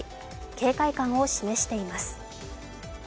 警戒感を示しています。